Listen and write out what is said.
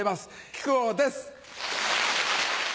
木久扇です！